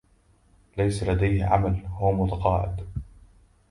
ليس لديه عمل, هو متقاعد.